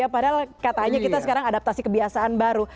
padahal katanya kita sekarang adaptasi kebiasaan baru